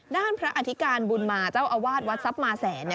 ด้านพระอธิการบุญมาเจ้าอาวาสวัดทรัพย์มาแสน